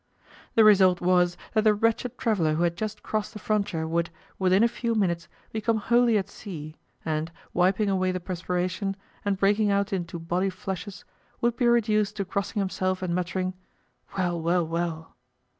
The result was that the wretched traveller who had just crossed the frontier would, within a few minutes, become wholly at sea, and, wiping away the perspiration, and breaking out into body flushes, would be reduced to crossing himself and muttering, "Well, well, well!"